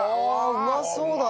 うまそうだな！